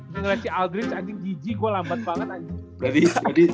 generasi aldridge anjing gg gue lambat banget anjing